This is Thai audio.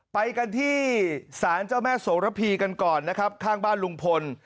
ไปกันที่ศาลเจ้าแม่โสระพีกันก่อนนะครับข้างบ้านลุงพล